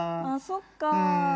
あっそっか。